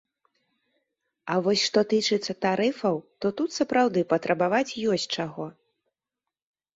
А вось што тычыцца тарыфаў, то тут, сапраўды, патрабаваць ёсць чаго.